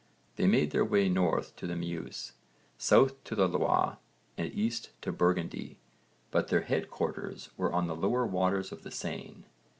They made their way north to the Meuse, south to the Loire, and east to Burgundy, but their head quarters were on the lower waters of the Seine.